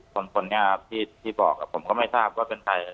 คนนี้ครับที่บอกผมก็ไม่ทราบว่าเป็นใคร